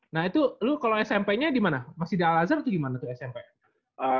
nah itu lo kalau smp nya dimana masih di alazar atau gimana tuh smp nya